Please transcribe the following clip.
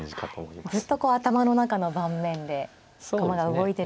ずっとこう頭の中の盤面で駒が動いてるんですね。